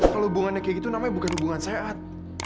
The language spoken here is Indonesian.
kalau hubungannya kayak gitu namanya bukan hubungan sehat